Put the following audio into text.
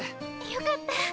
よかった。